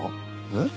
えっ？